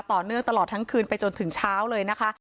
ต่อเนื่องตลอดทั้งคืนไปจนถึงเช้าเลยนะคะ